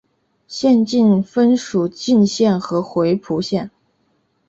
县境分属鄞县和回浦县。